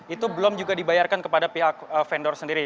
itu belum juga dibayarkan kepada pihak vendor sendiri